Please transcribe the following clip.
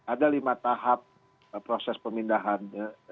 ada lima tahap proses pemindahan